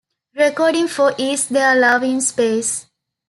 Recording for Is There Love in Space?